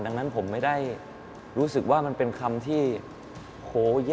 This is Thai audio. ดังนั้นผมไม่ได้รู้สึกว่ามันเป็นคำที่โห